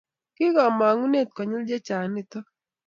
Kikomangune konyil che chang nitok